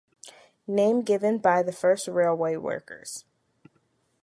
Name given by the first railway workers.